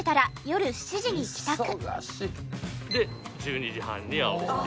で１２時半には起きて。